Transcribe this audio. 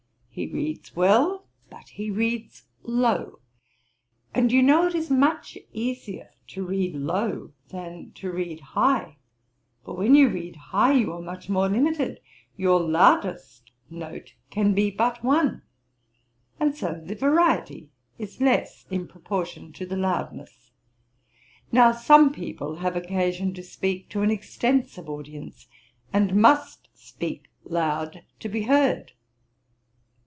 'He reads well, but he reads low; and you know it is much easier to read low than to read high; for when you read high, you are much more limited, your loudest note can be but one, and so the variety is less in proportion to the loudness. Now some people have occasion to speak to an extensive audience, and must speak loud to be heard.'